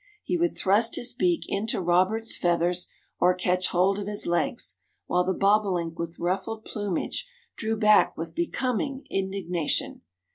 He would thrust his beak into Robert's feathers or catch hold of his legs, while the bobolink with ruffled plumage drew back with becoming indignation.